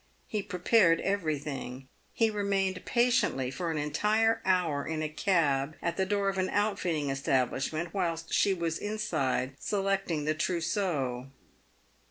He prepared everything. He remained patiently for an entire hour in a cab at the door of an outfitting establishment whilst she was inside selecting the trousseau.